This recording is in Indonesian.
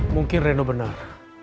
mungkin reno benar